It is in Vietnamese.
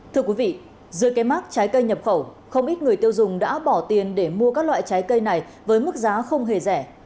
thưa quý vị dưới cây mát trái cây nhập khẩu không ít người tiêu dùng đã bỏ tiền để mua các loại trái cây này với mức giá không hề rẻ